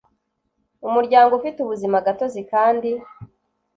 umuryango ufite ubuzima gatozi kandi